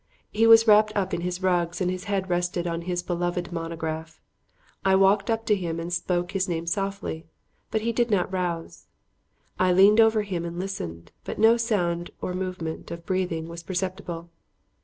He was wrapped up in his rugs and his head rested on his beloved monograph. I walked up to him and spoke his name softly, but he did not rouse. I leaned over him and listened, but no sound or movement of breathing was perceptible.